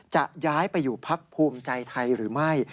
จะย้ายไปอยู่พักภูมิใจไทยหรือไม่